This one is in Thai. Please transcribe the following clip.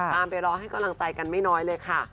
ไปรอให้กำลังใจกันไม่น้อยเลยค่ะ